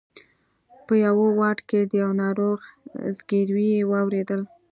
په یوه واټ کې د یوه ناروغ زګېروی یې واورېدل.